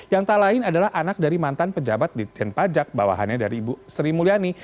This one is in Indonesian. yang tak lain adalah anak dari mantan pejabat di tien pajak bawahannya dari ibu sri mulyani